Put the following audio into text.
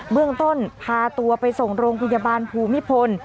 เมืองต้นพาตัวไปส่งโรงพยาบาลภูมิพล